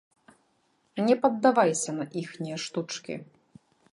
Не паддавайся на іхнія штучкі.